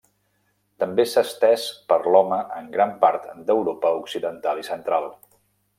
També s'ha estès per l'home en gran part d'Europa occidental i central.